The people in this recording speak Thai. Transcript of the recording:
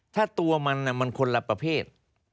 ถ้าตัวมันมันคนละประเภท